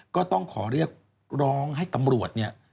ก็ต้องขอเรียกร้องให้ตำรวจเนี่ย